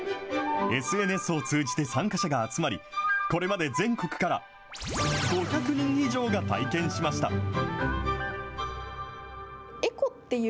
ＳＮＳを通じて参加者が集まり、これまで全国から５００人以上が体験しました。